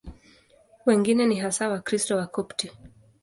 Wengine ni hasa Wakristo Wakopti.